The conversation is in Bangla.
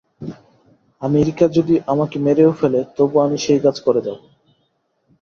আমেরিকা যদি আমাকে মেরেও ফেলে, তবু আমি সেই কাজ করে যাব।